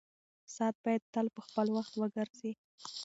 ساعت باید تل په خپل وخت وګرځي.